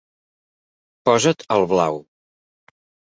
Posa't el blau.